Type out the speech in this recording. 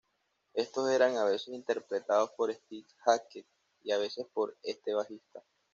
Estos eran a veces interpretados por Steve Hackett y a veces por este bajista.